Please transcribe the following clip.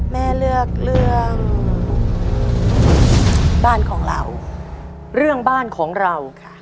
แม่เลือกเรื่องบ้านของเราเรื่องบ้านของเราค่ะ